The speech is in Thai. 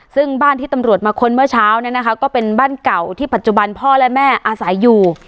ซึ่งบ้านที่ตำรวจมาค้นเมื่อเช้าเนี่ยนะคะก็เป็นบ้านเก่าที่ปัจจุบันพ่อและแม่อาศัยอยู่